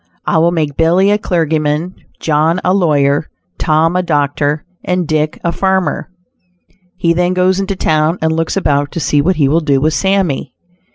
I will make Billy a clergyman; John a lawyer; Tom a doctor, and Dick a farmer." He then goes into town and looks about to see what he will do with Sammy.